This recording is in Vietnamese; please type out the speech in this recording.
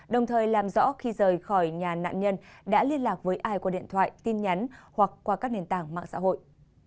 đồng thời làm rõ khi rời khỏi nhà nạn nhân đã liên lạc với ai qua điện thoại tin nhắn hoặc qua các nền tảng mạng xã hội